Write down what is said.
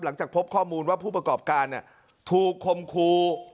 หลังจากพบข้อมูลว่าผู้ประกอบการถูกคมครู